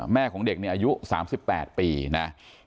แม่ของเด็กอายุ๓๘นะ